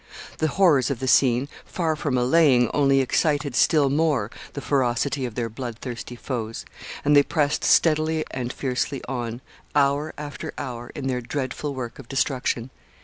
The horrors of the scene, far from allaying, only excited still more the ferocity of their bloodthirsty foes, and they pressed steadily and fiercely on, hour after hour, in their dreadful work of destruction.